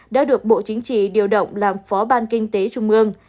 đã được bộ chính trị điều động làm phó ban kinh tế trung ương